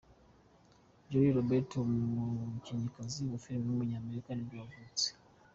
Julia Roberts, umukinnyikazi wa filime w’umunyamerika nibwo yavutse.